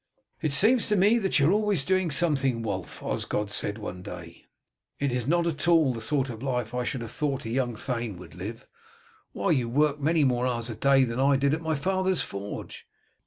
"It seems to me that you are always doing something, Wulf," Osgod said one day. "It is not at all the sort of life I should have thought a young thane would live. Why, you work many more hours a day than I did in my father's forge.